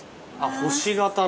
星形の。